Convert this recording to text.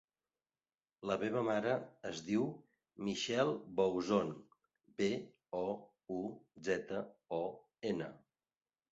La meva mare es diu Michelle Bouzon: be, o, u, zeta, o, ena.